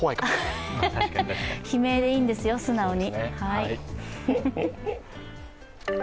悲鳴でいいんですよ、素直に。